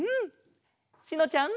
しのちゃん。